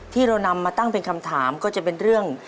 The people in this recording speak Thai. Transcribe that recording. ที่เรานำมาตั้งเป็นคำถามก็จะเป็นเรื่อง